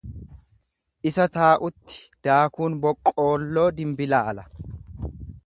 Isa taa'utti daakuun boqqoolloo dimbilaala.